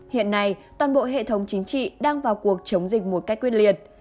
hiện nay toàn bộ hệ thống chính trị đang vào cuộc chống dịch một cách quyết liệt